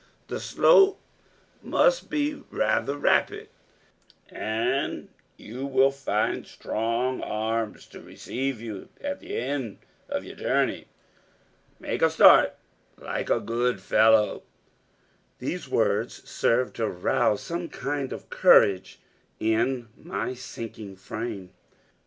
The slope must be rather rapid and you will find strong arms to receive you at the end of your journey. Make a start, like a good fellow." These words served to rouse some kind of courage in my sinking frame.